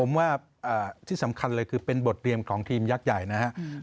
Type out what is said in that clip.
ผมว่าที่สำคัญเลยคือเป็นบทเรียนของทีมยักษ์ใหญ่นะครับ